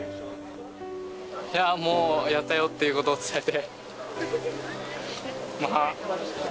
いや、もうやったよということを伝えて。